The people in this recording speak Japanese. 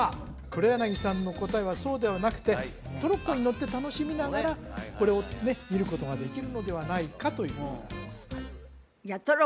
黒柳さんの答えはそうではなくてトロッコに乗って楽しみながらこれをね見ることができるのではないかということです